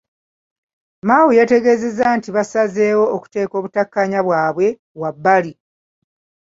Mao yategeezezza nti basazeewo okuteeka obutakkaanya bwabwe wabbali.